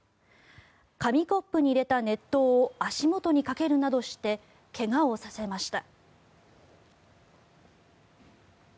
紙コップに入れた熱湯を足元にかけるなどして怪我をさせました。